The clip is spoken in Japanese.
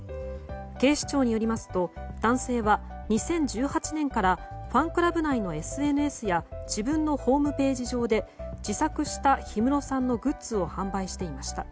警視庁によりますと男性は、２０１８年からファンクラブ内のＳＮＳや自分のホームページ上で自作した氷室さんのグッズを販売していました。